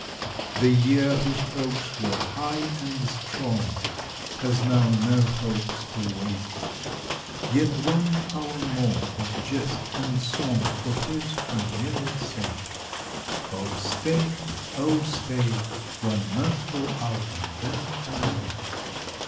The year, whose hopes were high and strong, Has now no hopes to wake; Yet one hour more of jest and song For his familiar sake. Oh stay, oh stay, One mirthful hour, and then away.